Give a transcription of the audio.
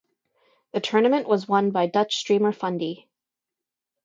The tournament was won by Dutch streamer Fundy.